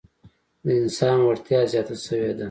د انسان وړتیا زیاته شوې ده.